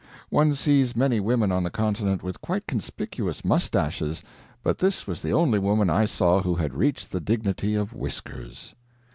One sees many women on the continent with quite conspicuous mustaches, but this was the only woman I saw who had reached the dignity of whiskers.